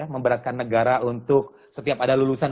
memberatkan negara untuk setiap ada lulusan